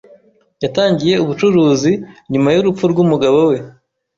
Yatangiye ubucuruzi nyuma y'urupfu rw'umugabo we.